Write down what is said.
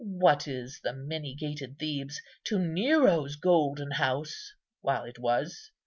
What is the many gated Thebes to Nero's golden house, while it was?